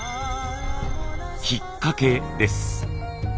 「ひっかけ」です。